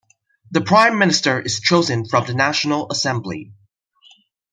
The Prime Minister is chosen from the National Assembly.